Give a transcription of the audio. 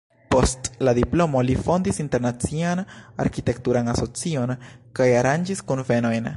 Post la diplomo li fondis internacian arkitekturan asocion kaj aranĝis kunvenojn.